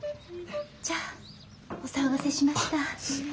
じゃあお騒がせしました。